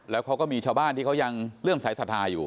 แล้วเขาก็มีชาวบ้านที่เขายังเลื่อมสายศรัทธาอยู่